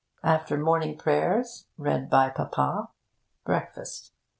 After morning prayers (read by Papa), breakfast.